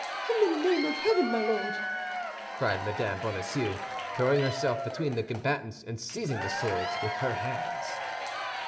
"In the name of heaven, my Lord!" cried Mme. Bonacieux, throwing herself between the combatants and seizing the swords with her hands.